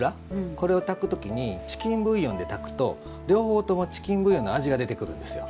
これを炊く時にチキンブイヨンで炊くと両方ともチキンブイヨンの味が出てくるんですよ。